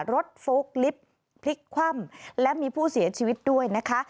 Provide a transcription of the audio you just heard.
โฟลกลิฟต์พลิกคว่ำและมีผู้เสียชีวิตด้วยนะคะ